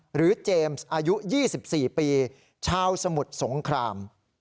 เจมส์อายุ๒๔ปีชาวสมุทรสงคราม